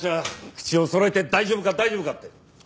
口をそろえて大丈夫か大丈夫かって。